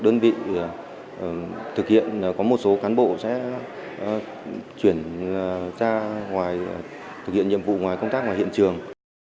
đơn vị thực hiện có một số cán bộ sẽ chuyển ra ngoài thực hiện nhiệm vụ ngoài công tác ngoài hiện trường